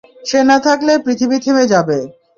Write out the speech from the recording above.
সে না থাকলে পৃথিবী থেমে যাবে।